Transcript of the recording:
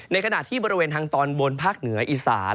ขณะที่บริเวณทางตอนบนภาคเหนืออีสาน